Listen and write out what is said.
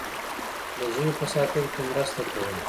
د ژبې په ساتلو کې مرسته کوله.